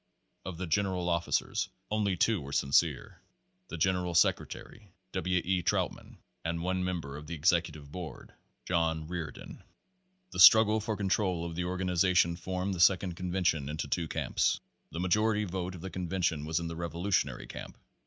Of the general officers only two were sin cere the General Secretary, W. E. Trautmann, and one member of the Executive Board, John Riordan. The struggle for control of the organization formed the Second convention into two camps. The majority vote of the convention was in the revolutionary camp.